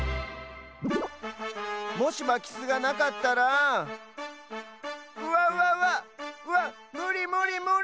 もしまきすがなかったらわわわっわっむりむりむり！